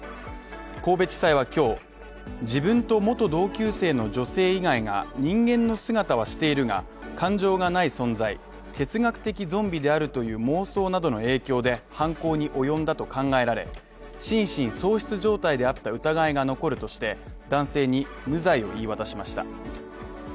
神戸地裁は今日、自分と元同級生の女性以外が人間の姿はしているが、感情がない存在、哲学的ゾンビであるという妄想などの影響で犯行に及んだと考えられ心神喪失状態であった疑いが残るとして、男性に無罪を言い渡しました。